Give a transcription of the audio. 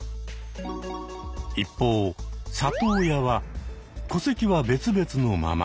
一方「里親」は戸籍は別々のまま。